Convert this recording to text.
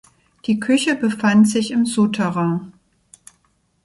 Die Küche befand sich im Souterrain.